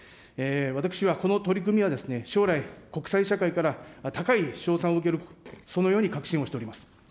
私はこの取り組みは将来、国際社会から高い称賛を受ける、そのように確信をしております。